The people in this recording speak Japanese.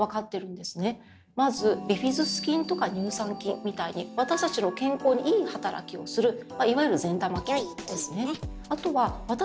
まずビフィズス菌とか乳酸菌みたいに私たちの健康にいい働きをするいわゆる善玉菌ですね。